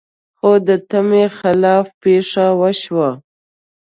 خو د تمې خلاف پېښه وشوه.